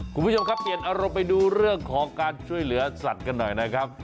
คุณผู้ชมครับเปลี่ยนอารมณ์ไปดูเรื่องของการช่วยเหลือสัตว์กันหน่อยนะครับ